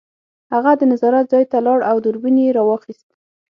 هغه د نظارت ځای ته لاړ او دوربین یې راواخیست